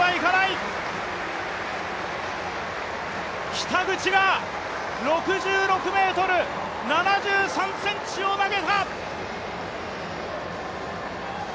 北口が６６ｍ７３ｃｍを投げた。